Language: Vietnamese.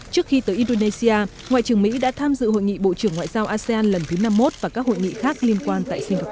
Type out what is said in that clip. trước khi tới indonesia ngoại trưởng mỹ đã tham dự hội nghị bộ trưởng ngoại giao asean lần thứ năm mươi một và các hội nghị khác liên quan tại singapore